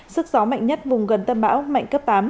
sức gió mạnh nhất vùng gần tâm bão mạnh cấp tám